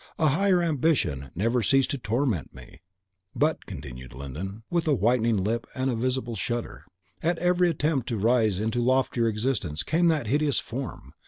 A higher ambition never ceased to torment me. But, but," continued Glyndon, with a whitening lip and a visible shudder, "at every attempt to rise into loftier existence, came that hideous form.